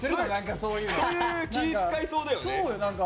そういう気遣いそうだよね。